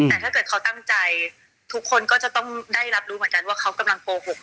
แต่ถ้าเกิดเขาตั้งใจทุกคนก็จะต้องได้รับรู้เหมือนกันว่าเขากำลังโกหก